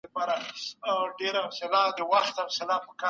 ژوند يوه ډالۍ ده.